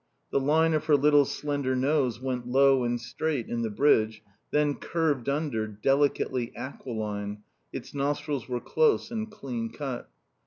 The line of her little slender nose went low and straight in the bridge, then curved under, delicately acquiline, its nostrils were close and clean cut.